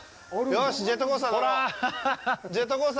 よし、ジェットコースター乗ろう。